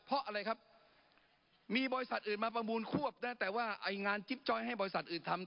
เพราะอะไรครับมีบริษัทอื่นมาประมูลควบนะแต่ว่าไอ้งานจิ๊บจ้อยให้บริษัทอื่นทำ